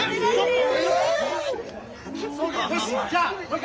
よしじゃあもう一回乾杯！